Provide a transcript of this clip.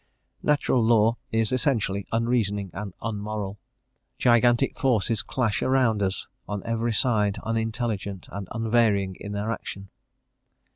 Natural law is essentially unreasoning and unmoral: gigantic forces clash around us on every side unintelligent, and unvarying in their action.